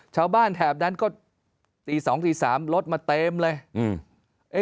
แถบนั้นก็ตีสองตีสามรถมาเต็มเลยอืม